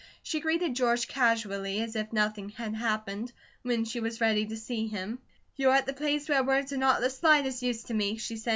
She greeted George casually, and as if nothing had happened, when she was ready to see him. "You're at the place where words are not of the slightest use to me," she said.